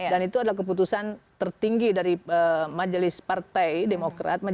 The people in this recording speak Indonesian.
dan itu adalah keputusan tertinggi dari majelis partai demokrat